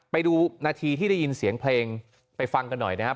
ไปดูนาทีที่ได้ยินเสียงเพลงไปฟังกันหน่อยนะครับ